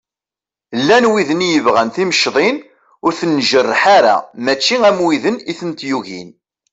Llan widen i yebɣan timecḍin ur ten-njerreḥ ara mačči am widen i tent-yugin.